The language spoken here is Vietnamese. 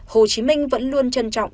hồ chí minh vẫn luôn trân trọng